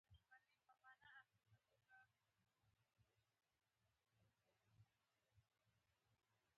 مستو څو ځلې د غلي کېدو غږ وکړ.